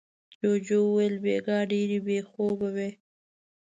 جوجو وويل: بېګا ډېر بې خوبه وې.